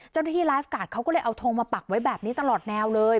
เจ้าหน้าที่ไลฟ์การ์ดเขาก็เลยเอาทงมาปักไว้แบบนี้ตลอดแนวเลย